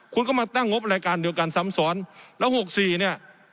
คุณก็มาตั้งงบรายการเดียวกันซ้ำซ้อนแล้ว๖๔เนี่ย